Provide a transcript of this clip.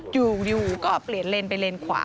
อยู่ก็เปลี่ยนเลนไปเลนขวา